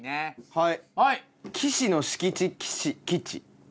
はい。